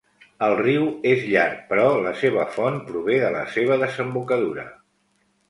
El riu és llarg però la seva font prové de la seva desembocadura.